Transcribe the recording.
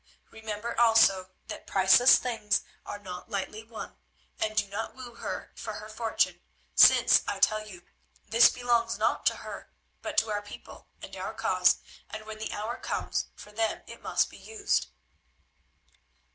Remember also that priceless things are not lightly won, and do not woo her for her fortune, since, I tell you, this belongs not to her but to our people and our cause, and when the hour comes, for them it must be used."